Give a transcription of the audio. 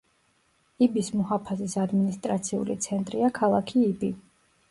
იბის მუჰაფაზის ადმინისტრაციული ცენტრია ქალაქი იბი.